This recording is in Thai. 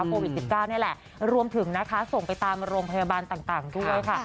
โควิด๑๙นี่แหละรวมถึงนะคะส่งไปตามโรงพยาบาลต่างด้วยค่ะ